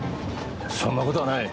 そんな事はない。